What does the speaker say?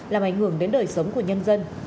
làm ảnh hưởng đến đời sống của nhân dân